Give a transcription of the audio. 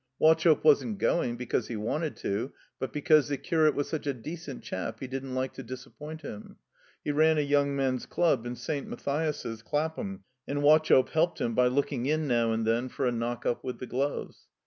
Wauchope wasn't going because he wanted to, but because the curate was such a decent chap he didn't like to disappoint him. He ran a Yoimg Men's Club in St. Matthias's, Clapham, and Wauchope helped him by looking in now and then for a knock up with the gloves.